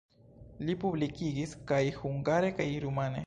Li publikigis kaj hungare kaj rumane.